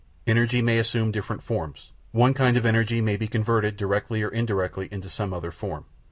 Energy may assume different forms; one kind of energy may be converted directly or indirectly into some other form.